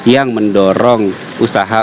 yang mendorong usaha